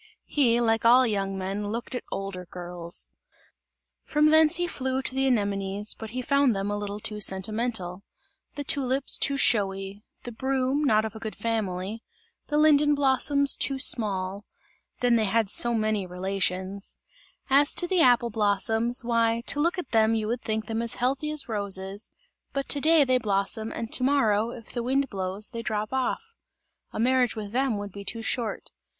He, like all young men looked at older girls. From thence he flew to the anemones; but he found them a little too sentimental; the tulips, too showy; the broom, not of a good family; the linden blossoms, too small then they had so many relations; as to the apple blossoms, why to look at them you would think them as healthy as roses, but to day they blossom and to morrow, if the wind blows, they drop off; a marriage with them would be too short.